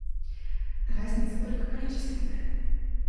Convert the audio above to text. Разница только количественная.